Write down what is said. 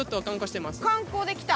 観光で来た。